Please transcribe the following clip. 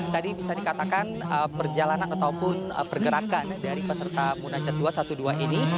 tadi bisa dikatakan perjalanan ataupun pergerakan dari peserta munajat dua ratus dua belas ini